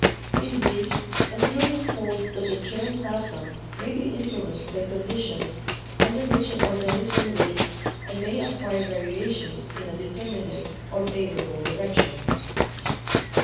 In brief, the theory holds that the germ plasm may be influenced by conditions under which an organism lives and may 'acquire' variations in a determinate or favorable direction.